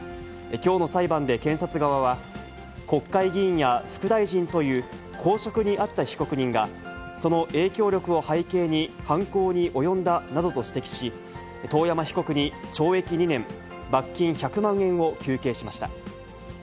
きょうの裁判で検察側は、国会議員や副大臣という公職にあった被告人が、その影響力を背景に犯行に及んだなどと指摘し、遠山被告に懲役２年、罰金１００万円を求刑しました。